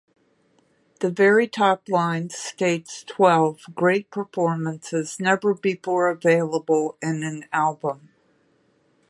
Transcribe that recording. The very top line states Twelve great performances never before available in an album!